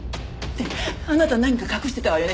あなた何か隠してたわよね？